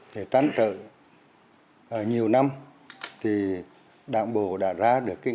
để tránh trợ nhiều năm đảng bộ đã ra được nghị quyền